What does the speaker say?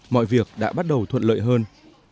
mọi việc đã bắt đầu thuận lợi hơn